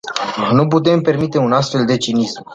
Nu putem permite un astfel de cinism.